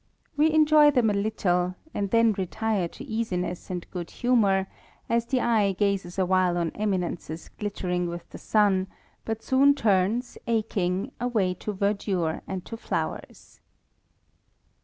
We enjoy them a little, and then retire to easiness and Note IX., Appendix. B humour, as tlic eye gazes a while on eminences , with the sun, but soon turns aching away to e and to flowers.